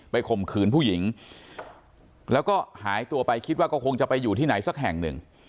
ข่มขืนผู้หญิงแล้วก็หายตัวไปคิดว่าก็คงจะไปอยู่ที่ไหนสักแห่งหนึ่ง